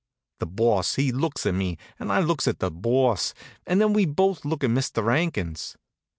The Boss he looks at me, and I looks at the Boss, and then we both looks at Mister 'Ankins.